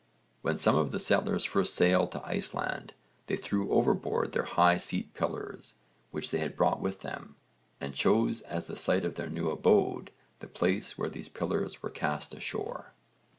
When some of the settlers first sailed to Iceland they threw overboard their high seat pillars which they had brought with them, and chose as the site of their new abode the place where these pillars were cast ashore.